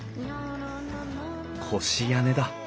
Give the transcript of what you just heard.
越屋根だ。